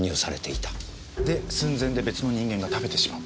で寸前で別の人間が食べてしまった。